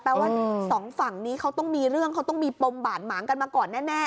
ว่าสองฝั่งนี้เขาต้องมีเรื่องเขาต้องมีปมบาดหมางกันมาก่อนแน่